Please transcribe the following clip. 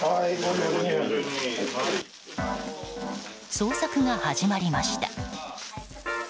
捜索が始まりました。